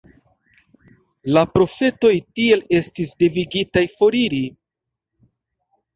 La profetoj tiel estis devigitaj foriri.